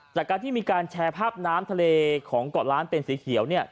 จากการที่มีการแชร์ภาพน้ำทะเลของเกาะล้านเป็นสีเขียว